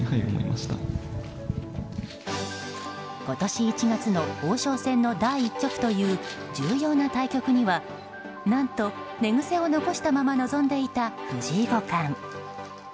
今年１月の王将戦の第１局という重要な対局には何と寝癖を残したまま臨んでいた藤井五冠。